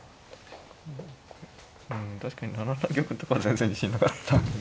うん確かに７七玉とかは全然自信なかったんで。